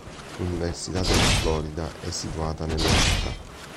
L'università della Florida è situata nella città.